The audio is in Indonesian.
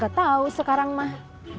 gak tau sekarang mah